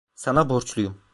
Sana borçluyum.